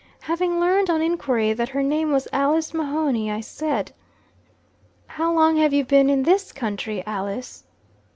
Having learned on enquiry that her name was Alice Mahoney, I said: "How long have you been in this country, Alice?"